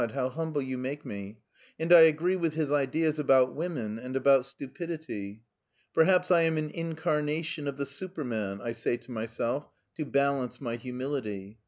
how humble you make me — and I agree with his ideas about women and about stupidity. Perhaps I am an incarnation of the ' Superman,' I say to myself, to balance my humility.